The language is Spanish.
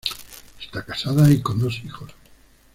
Está casada y con dos hijos.